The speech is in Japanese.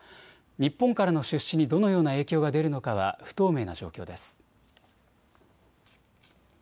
日本からの出資にどのような影響が出るのかは不透明な状況です。